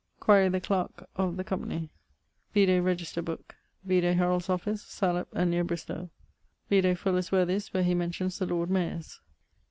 Quaere the clarke of the company: vide register booke. Vide Heralds' Office (Salop, and neer Bristowe). Vide Fuller's Worthyes where he mentions the Lord Mayers.